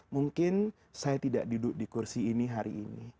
mungkin saya tidak duduk di kursi ini hari ini